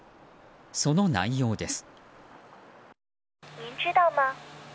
その内容です。